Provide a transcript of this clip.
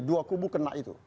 dua kubu kena itu